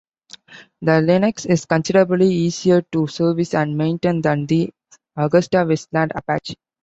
The Lynx is considerably easier to service and maintain than the AgustaWestland Apache.